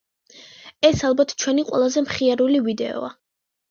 ეს, ალბათ, ჩვენი ყველაზე მხიარული ვიდეოა.